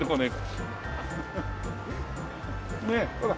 ねえほら。